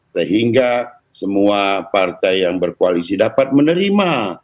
sehingga semua partai yang berkoalisi dapat menerima